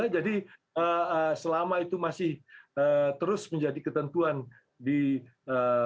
jadi selama itu masih terus menjadi ketentuan di perserikatan perintah